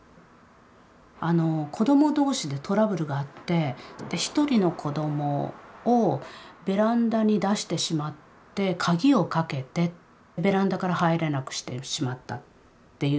あの子ども同士でトラブルがあって１人の子どもをベランダに出してしまってカギをかけてベランダから入れなくしてしまったっていう。